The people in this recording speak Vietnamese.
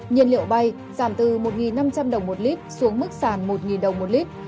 nhiên liệu bay giảm từ một năm trăm linh đồng một lít xuống mức sàn một đồng một lít